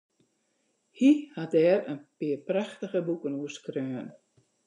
Hy hat dêr in pear prachtige boeken oer skreaun.